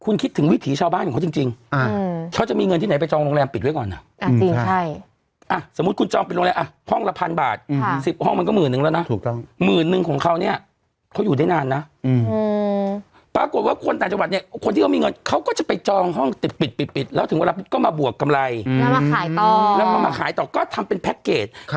คุณคิดถึงวิถีชาวบ้านของเขาจริงจริงอ่าเขาจะมีเงินที่ไหนไปจองโรงแรมปิดไว้ก่อนน่ะ